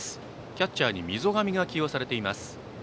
キャッチャーに溝上が起用されています。